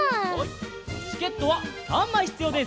チケットは３まいひつようです。